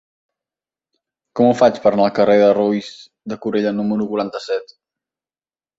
Com ho faig per anar al carrer de Roís de Corella número quaranta-set?